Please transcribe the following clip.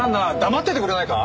黙っててくれないか？